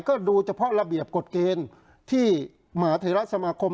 ก็ดูเฉพาะระเบียบกฎเกณฑ์ที่มหาเทราสมาคม